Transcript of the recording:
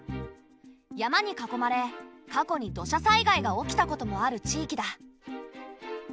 山に囲まれ過去に土砂災害が起きたこともある地域だ。